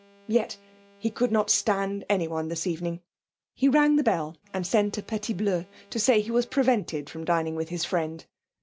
Yes; he could not stand anyone this evening. He rang the bell and sent a petit bleu to say he was prevented from dining with his friend.